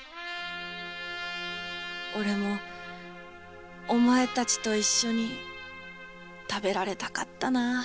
俺もお前たちと一緒に食べられたかったな。